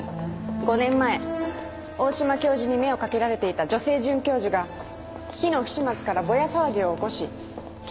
５年前大島教授に目を掛けられていた女性准教授が火の不始末からボヤ騒ぎを起こし研究所を追われています。